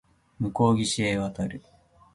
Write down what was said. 向こう岸へ渡る